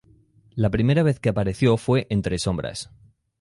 La primera vez que apareció fue entre sombras.